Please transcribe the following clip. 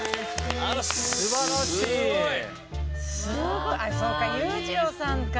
ああそうか裕次郎さんか。